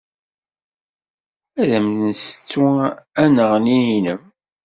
Ad am-nessettu anneɣni-nnem.